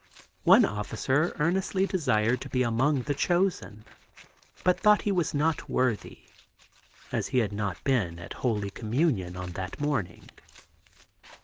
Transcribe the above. One officer earnestly desired to be among the chosen, but thought he was not worthy, as he had not been at Holy Communion on that morning.